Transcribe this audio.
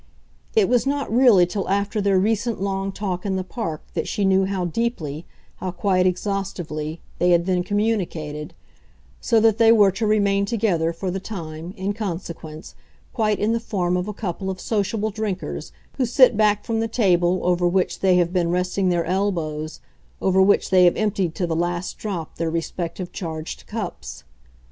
It was not really till after their recent long talk in the park that she knew how deeply, how quite exhaustively, they had then communicated so that they were to remain together, for the time, in consequence, quite in the form of a couple of sociable drinkers who sit back from the table over which they have been resting their elbows, over which they have emptied to the last drop their respective charged cups.